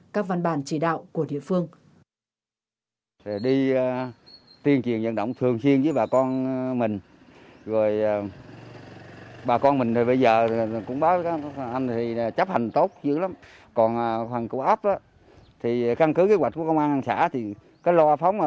các văn bản chỉ đạo của địa phương